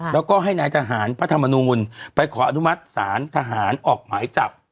แล้วก็ให้นายทหารพระธรรมนูลไปขออนุมัติศาลทหารออกหมายจับ